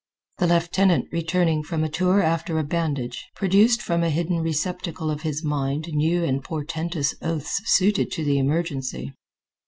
The lieutenant, returning from a tour after a bandage, produced from a hidden receptacle of his mind new and portentous oaths suited to the emergency.